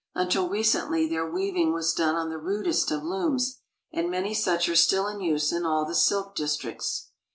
Until recently their weaving was done on the rudest of looms, and many such are still in use in all the silk districts.